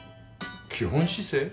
基本姿勢？